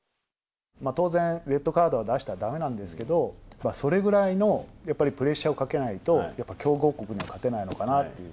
当然、レッドカードは出したらだめなんですけど、それぐらいの、やっぱりプレッシャーをかけないと、やっぱり強豪国には勝てないのかなという。